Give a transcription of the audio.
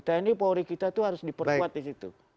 tni polri kita tuh harus diperkuat disitu